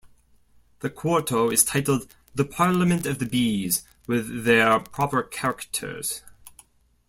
The quarto is titled The Parliament of Bees, with their Proper Characters.